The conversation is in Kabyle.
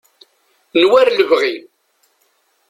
n war lebɣi